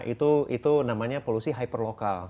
itu namanya polusi hyperlokal